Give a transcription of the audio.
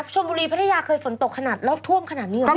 ชนบุรีพัทยาเคยฝนตกขนาดแล้วท่วมขนาดนี้เหรอ